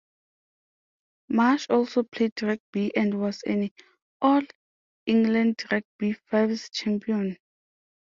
Marsh also played rugby and was an All England Rugby Fives champion.